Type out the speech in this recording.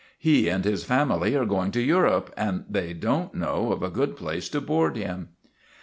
He and his family are going to Europe and they don't know of a good place to board him."